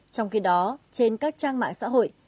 trong khi đó trên các trang mạng xã hội